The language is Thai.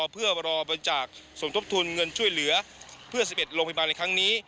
เพื่อรอบริจาคสมทบทุนเงินช่วยเหลือเพื่อ๑๑โรงพยาบาลในครั้งนี้